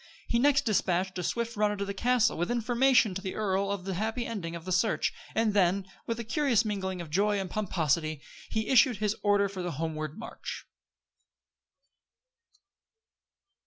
He next dispatched a swift runner to the castle, with information to the earl of the happy ending of the search; and then, with a curious mingling of joy and pomposity, he issued his order for the homeward march.